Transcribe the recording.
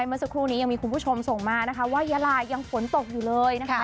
เมื่อสักครู่นี้ยังมีคุณผู้ชมส่งมานะคะว่ายาลายังฝนตกอยู่เลยนะคะ